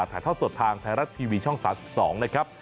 ถ่ายทอดสดทางไทยรัฐทีวีช่อง๓๒นะครับ